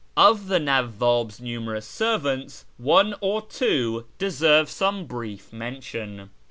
Of the Nawwab's numerous servants one or two deserve some brief mention.